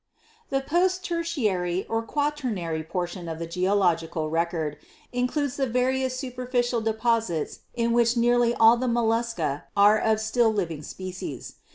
The Post Tertiary or Quaternary portion of the Geo logical Record includes the various superficial deposits in which nearly all the mollusca are of still living species.